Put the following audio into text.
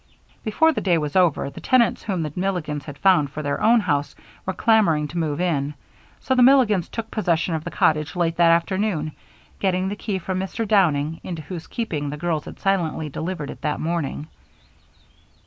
Before the day was over, the tenants whom the Milligans had found for their own house were clamoring to move in, so the Milligans took possession of the cottage late that afternoon, getting the key from Mr. Downing, into whose keeping the girls had silently delivered it that morning.